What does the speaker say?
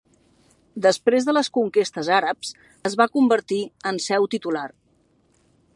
Després de les conquestes àrabs es va convertir en seu titular.